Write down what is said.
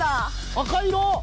赤色！